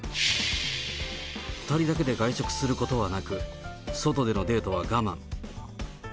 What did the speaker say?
２人だけで外食することはなく、外でのデートは我慢。